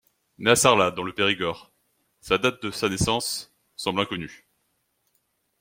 Né à Sarlat dans le Périgord, sa date de sa naissance semble inconnue.